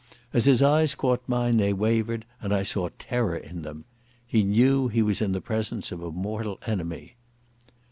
As his eyes caught mine they wavered, and I saw terror in them. He knew he was in the presence of a mortal enemy.